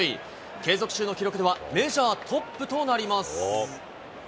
継続中の記録ではメジャートップとなります。